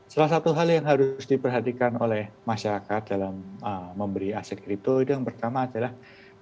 salah satu hal yang harus diperhatikan oleh masyarakat dalam memberi aset kripto itu yang pertama adalah